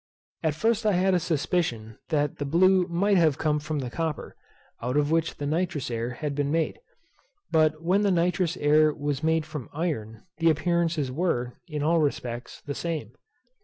At first I had a suspicion that the blue might have come from the copper, out of which the nitrous air had been made. But when the nitrous air was made from iron, the appearances were, in all respects, the same.